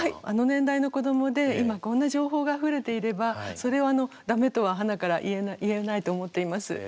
あの年代の子どもで今こんな情報があふれていればそれをダメとははなから言えないと思っています。